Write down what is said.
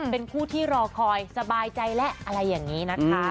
เป็นคู่ที่รอคอยสบายใจแล้วอะไรอย่างนี้นะคะ